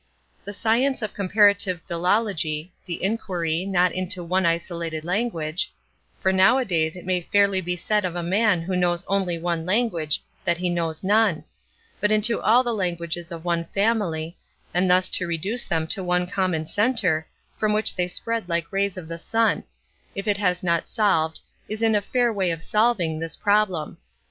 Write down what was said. The science of comparative philology—the inquiry, not into one isolated language—for nowadays it may fairly be said of a man who knows only one language that he knows none—but into all the languages of one family, and thus to reduce them to one common centre, from which they spread like the rays of the sun—if it has not solved, is in a fair way of solving, this problem.